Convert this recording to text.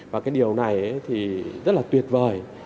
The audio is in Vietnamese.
và cái điều này thì rất là tuyệt vời